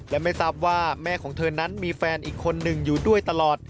และไม่ทราบว่าแม่ของเธอนั้นมีแฟนอีกคนหนึ่งอยู่ด้วยตลอด